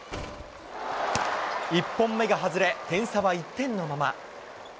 １本目が外れ、点差は１点のまま。